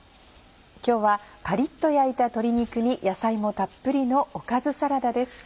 今日はカリっと焼いた鶏肉に野菜もたっぷりのおかずサラダです。